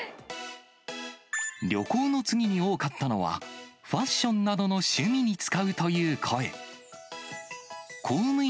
旅行の次に多かったのは、ファッションなどの趣味に使うという声。